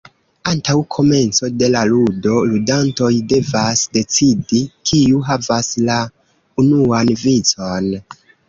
Antaŭ komenco de la ludo, ludantoj devas decidi, kiu havas la unuan vicon.